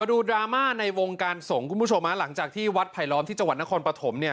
ดูดราม่าในวงการสงฆ์คุณผู้ชมฮะหลังจากที่วัดไผลล้อมที่จังหวัดนครปฐมเนี่ย